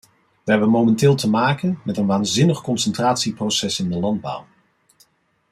Wij hebben momenteel te maken met een waanzinnig concentratieproces in de landbouw.